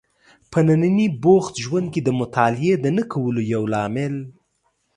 په ننني بوخت ژوند کې د مطالعې د نه کولو یو لامل